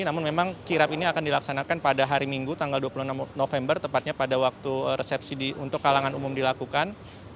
namun memang kirap ini akan dilaksanakan pada hari minggu tanggal dua puluh enam november tepatnya pada waktu resepsi untuk kalangan umum dilakukan